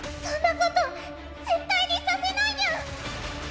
そんなこと絶対にさせないニャン！